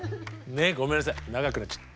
ねえごめんなさい長くなっちゃった。